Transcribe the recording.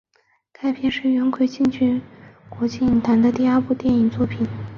该片是元奎进军国际影坛的第二部电影作品。